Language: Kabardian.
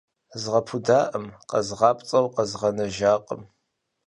Згъэпудакъым, къэзгъапцӏэу къэзгъэнэжакъым.